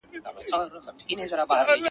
نومونه د اسمان تر ستورو ډېر وه په حساب کي-